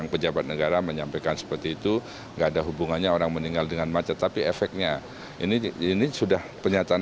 pajak terbesar bagi kita